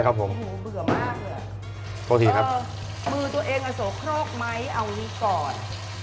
ครับผมโอ้โหเบื่อมากเลยอ่ะมือตัวเองอสโครกไหมเอานี้ก่อน